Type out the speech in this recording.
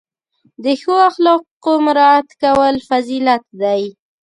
د ښو اخلاقو مراعت کول فضیلت دی.